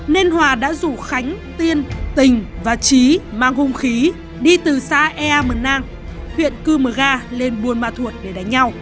nên hòa đã rủ khánh tiên tình và trí mang hung khí đi từ xã ea mờ nang huyện cư mờ ga lên buôn ma thuột để đánh nhau